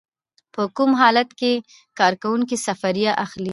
په کوم حالت کې کارکوونکی سفریه اخلي؟